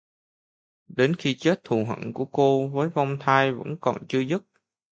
Đến khi chết Thù Hận của cô với vong thai vẫn còn chưa dứt